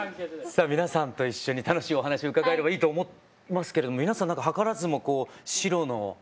さあ皆さんと一緒に楽しいお話を伺えればいいと思いますけども皆さん何か図らずもこう白の。